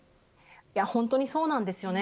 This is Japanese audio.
本当にそうなんですよね。